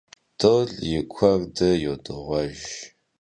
Dol yi khuerde yodığuejj.